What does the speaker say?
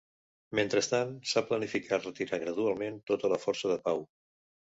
Mentrestant, s'ha planificat retirar gradualment tota la força de pau.